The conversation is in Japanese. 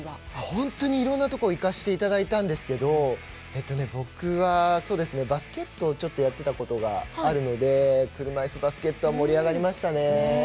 本当にいろんなところに行かせていただいたんですけど僕はバスケットをやっていたことがあるので車いすバスケットは盛り上がりましたね。